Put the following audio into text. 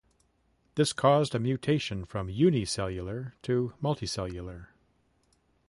This caused a mutation from unicellular to multicellular.